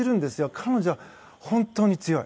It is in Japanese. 彼女は本当に強い。